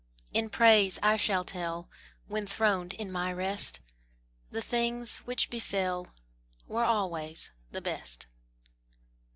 In praise I shall tell, When throned in my rest, The things which befell Were always the best.